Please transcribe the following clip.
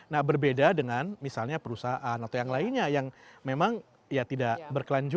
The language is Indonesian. nah berbeda dengan misalnya perusahaan atau yang lainnya yang memang ya tidak berkelanjutan